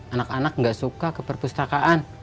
anak anak nggak suka ke perpustakaan